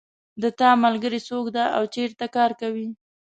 د تا ملګری څوک ده او چېرته کار کوي